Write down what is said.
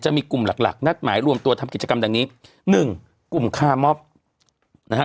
จะมีกลุ่มหลักหลักนัดหมายรวมตัวทำกิจกรรมดังนี้หนึ่งกลุ่มคาร์มอบนะฮะ